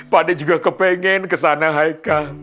pak nek juga kepengen kesana hai kal